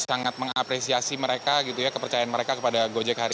sangat mengapresiasi mereka kepercayaan mereka kepada gojek hari ini